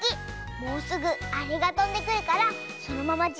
もうすぐあれがとんでくるからそのままじっとたっててね。